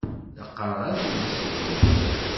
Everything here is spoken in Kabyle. La qqareɣ adlis-nni.